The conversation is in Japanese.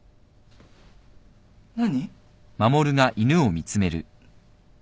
何？